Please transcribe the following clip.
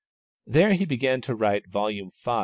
There he began to write Vol. V.